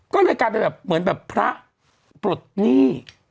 ก็เลยกลายเป็นแบบเหมือนแบบพระปลดหนี้